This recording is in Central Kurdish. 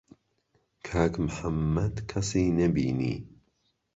کاک محەممەد کەسی نەبینی.